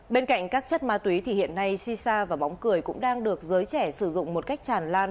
bên cạnh các chất ma túy thì hiện nay shisha và bóng cười cũng đang được giới trẻ sử dụng một cách tràn lan